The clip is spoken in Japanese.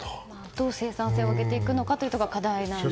どう生産性を上げていくかが課題ですよね。